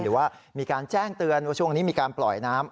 หรือว่ามีการแจ้งเตือนว่าช่วงนี้มีการปล่อยน้ำ